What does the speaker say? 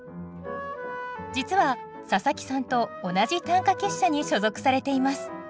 実は佐佐木さんと同じ短歌結社に所属されています。